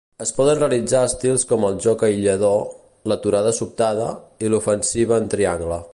Es poden realitzar estils com el joc aïllador, l'aturada sobtada, i l'ofensiva en triangle.